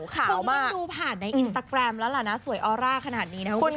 เขาจะต้องดูผ่านในอินสตาแกรมแล้วล่ะนะสวยออร่าขนาดนี้นะครับคุณผู้ชม